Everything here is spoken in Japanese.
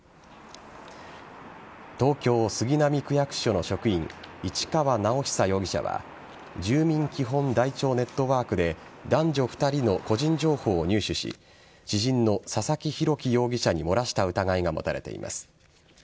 東京・杉並区役所の職員、市川直央容疑者は、住民基本台帳ネットワークで、男女２人の個人情報を入手し、知人の佐々木洋樹容疑者に漏らした疑いが持たれています。